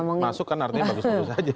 masuk kan artinya bagus bagus saja